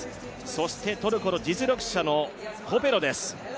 そしてトルコの実力者のコペロです。